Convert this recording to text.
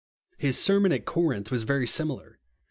His sermon at Corinth was very similar.